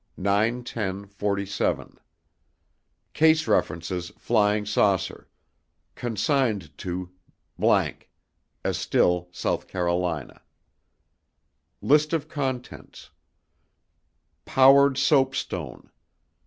Date 9 10 47 Case References Flying Saucer Consigned to ____ Estill, South Carolina List of Contents Powered Soap Stone.